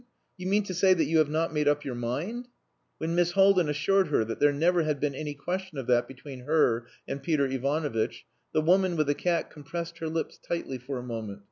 You mean to say that you have not made up your mind?" When Miss Haldin assured her that there never had been any question of that between her and Peter Ivanovitch, the woman with the cat compressed her lips tightly for a moment.